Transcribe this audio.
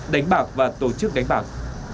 đánh bạc và tổ chức đánh bạc